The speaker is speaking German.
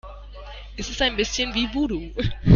Es ist ein bisschen wie Voodoo.